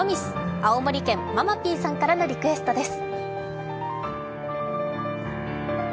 青森県・ままぴぃさんからのリクエストです。